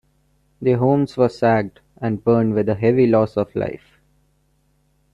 Their homes were sacked and burned with a heavy loss of life.